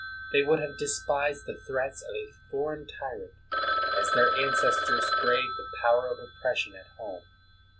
They would have despised the threats of a foreign tyrant, as their ancestors braved the power of oppression at home.